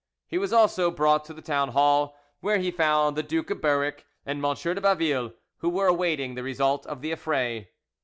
He also was brought to the town hall, where he found the Duke of Berwick and M. de Baville, who were awaiting the result of the affray.